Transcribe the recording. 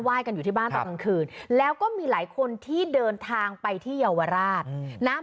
กันอยู่ที่บ้านตอนกลางคืนแล้วก็มีหลายคนที่เดินทางไปที่เยาวราชนะ